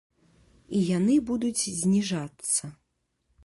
І яны будуць зніжацца.